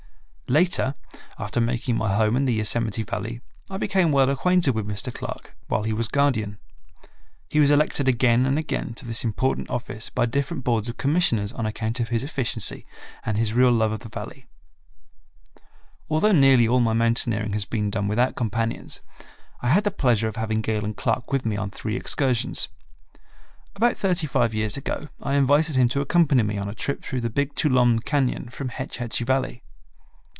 Later, after making my home in the Yosemite Valley, I became well acquainted with Mr. Clark, while he was guardian. He was elected again and again to this important office by different Boards of Commissioners on account of his efficiency and his real love of the Valley. Although nearly all my mountaineering has been done without companions, I had the pleasure of having Galen Clark with me on three excursions. About thirty five years ago I invited him to accompany me on a trip through the Big Tuolumne Cañon from Hetch Hetchy Valley.